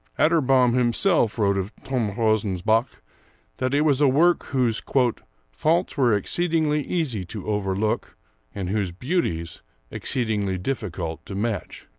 Atterbom himself wrote of 'Törnrosens Bok' that it was a work whose "faults were exceedingly easy to overlook and whose beauties exceedingly difficult to match."